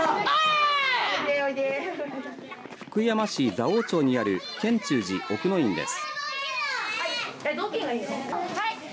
福山市蔵王町にある賢忠寺奥之院です。